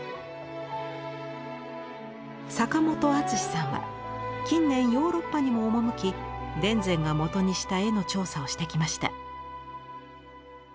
坂本篤史さんは近年ヨーロッパにも赴き田善が元にした絵の調査をしてきました。